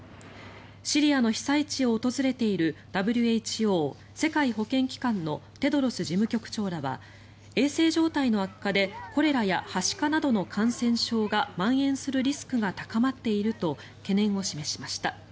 シリアの被災地を訪れているＷＨＯ・世界保健機関のテドロス事務局長らは衛生状態の悪化でコレラやはしかなどの感染症がまん延するリスクが高まっていると懸念を示しました。